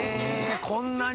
こんなに？」